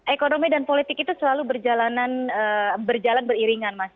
ekonomi dan politik itu selalu berjalan beriringan mas